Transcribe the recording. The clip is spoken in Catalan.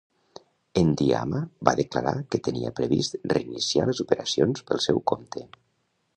Endiama va declarar que tenia previst reiniciar les operacions pel seu compte.